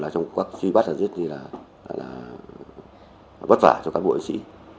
trong cuộc truy bắt rất là vất vả cho cán bộ sĩ